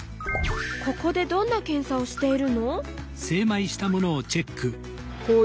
ここでどんな検査をしているの？